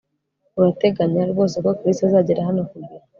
Urateganya rwose ko Chris azagera hano ku gihe